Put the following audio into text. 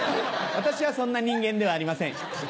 私はそんな人間ではありません。